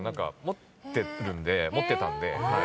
持ってたんで。